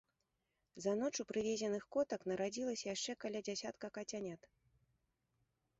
За ноч у прывезеных котак нарадзілася яшчэ каля дзясятка кацянят.